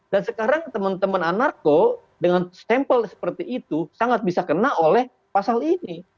dan sekarang teman teman anarko dengan sampel seperti itu sangat bisa kena oleh pasal ini